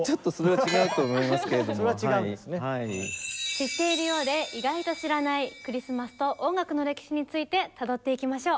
知っているようで意外と知らないクリスマスと音楽の歴史についてたどっていきましょう。